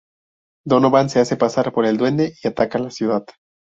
Donovan se hace pasar por el Duende y ataca la ciudad.